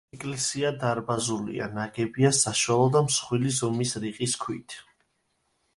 ეკლესია დარბაზულია, ნაგებია საშუალო და მსხვილი ზომის რიყის ქვით.